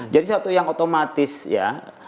jadi satu yang otomatis ya